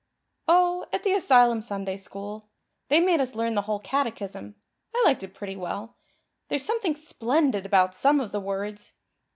"Oh, at the asylum Sunday school. They made us learn the whole catechism. I liked it pretty well. There's something splendid about some of the words.